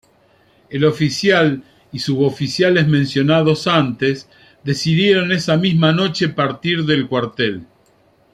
El oficial y suboficiales mencionados antes decidieron esa misma noche partir del cuartel.